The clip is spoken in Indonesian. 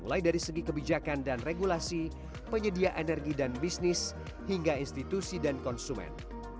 mulai dari segi kebijakan dan regulasi penyedia energi dan bisnis hingga institusi dan konsumen